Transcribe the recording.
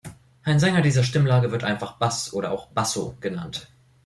Ein Sänger dieser Stimmlage wird einfach "Bass" oder auch "Basso" genannt.